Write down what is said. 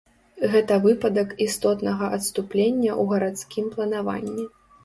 Гэта выпадак істотнага адступлення ў гарадскім планаванні.